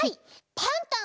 パンタン！